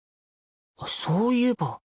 そういえば